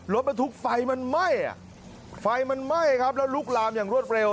รถบรรทุกไฟมันไหม้อ่ะไฟมันไหม้ครับแล้วลุกลามอย่างรวดเร็ว